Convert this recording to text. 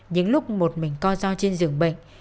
những lúc một mình co do trên giường bệnh